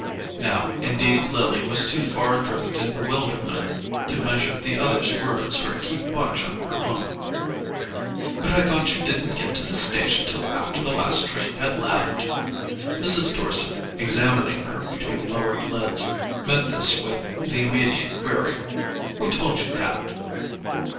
Now indeed Lily was too far adrift in bewilderment to measure the other's words or keep watch on her own. "But I thought you didn't get to the station till after the last train had left!" Mrs. Dorset, examining her between lowered lids, met this with the immediate query: "Who told you that?"